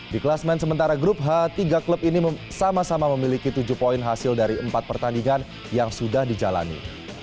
di kelas main sementara grup h tiga klub ini sama sama memiliki tujuh poin hasil dari empat pertandingan yang sudah dijalani